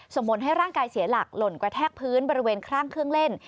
ส่งผลให้ร่างกายเสียหลักหล่นกระแทกพื้นบริเวณข้างเครื่องเล่น